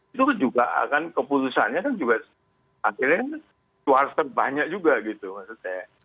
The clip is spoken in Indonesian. itu juga akan keputusannya kan juga akhirnya cuaster banyak juga gitu maksudnya